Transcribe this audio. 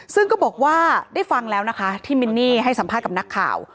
ซึ่งก็บอกว่าได้ฟังแล้วนะคะที่มินนี่ให้สัมภาษณ์กับนักข่าว